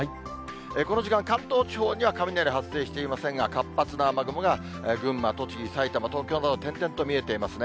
この時間、関東地方には雷発生していませんが、活発な雨雲が群馬、栃木、埼玉、東京など、点々と見えていますね。